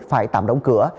phải tạm đóng cửa